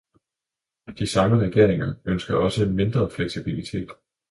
De samme regeringer ønsker også mindre fleksibilitet.